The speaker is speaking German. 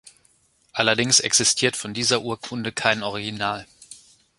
Allerdings existiert von dieser Urkunde kein Original.